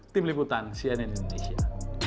tim liputan cnn indonesia